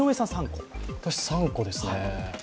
私、３個ですね。